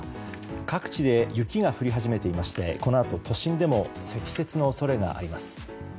各地で雪が降り始めていましてこのあと都心でも積雪の恐れがあります。